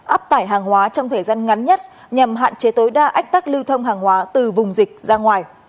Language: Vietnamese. áp tải hàng hóa trong thời gian ngắn nhất nhằm hạn chế tối đa ách tắc lưu thông hàng hóa từ vùng dịch ra ngoài